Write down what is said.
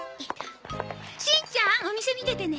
しんちゃんお店見ててね。